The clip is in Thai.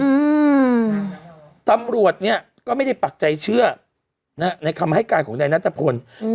อืมตำรวจเนี้ยก็ไม่ได้ปักใจเชื่อนะฮะในคำให้การของนายนัทพลอืม